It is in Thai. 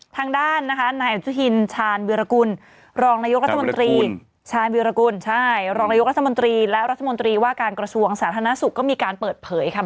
ทางด้านนะคะนายจุฮินชาญวิรกุลรองนายกรัฐมนตรีและรัฐมนตรีว่าการกระทรวงสาธานาศุกร์ก็มีการเปิดเผยค่ะ